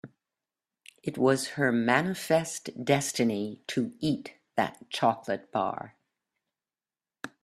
It was her manifest destiny to eat that chocolate bar.